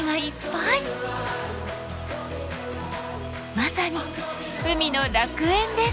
まさに海の楽園です。